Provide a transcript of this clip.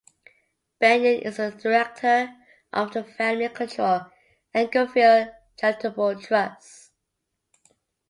Benyon is a director of the family controlled Englefield Charitable Trust.